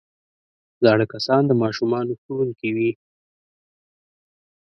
زاړه کسان د ماشومانو ښوونکي وي